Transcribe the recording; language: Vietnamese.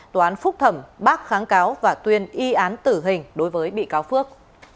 tòa án phúc thẩm bác kháng cáo và tuyên y án tử hình đối với bị cáo phước